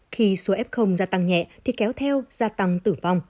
khi số f gia tăng nhẹ thì kéo theo gia tăng tử vong